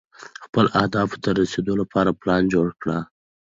خپلو اهدافو ته د رسېدو لپاره پلان جوړ کړئ.